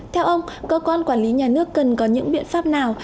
theo ông cơ quan quản lý nhà nước cần có những biện pháp nào